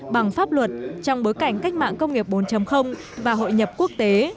bằng pháp luật trong bối cảnh cách mạng công nghiệp bốn và hội nhập quốc tế